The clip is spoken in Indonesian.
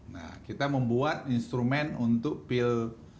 nah kita membuat instrumen untuk pil